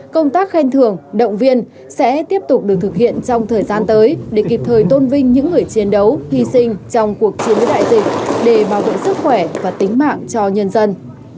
công tác khen thưởng động viên sẽ tiếp tục được thực hiện trong thời gian tới để kịp thời tôn vinh những người chiến đấu hy sinh trong cuộc chiến với đại dịch để bảo vệ sức khỏe và tính mạng cho nhân dân